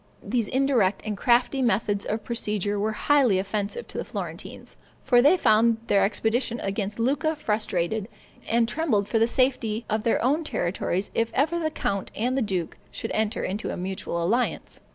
These indirect and crafty methods of procedure were highly offensive to the Florentines, for they found their expedition against Lucca frustrated, and trembled for the safety of their own territories if ever the count and the duke should enter into a mutual alliance.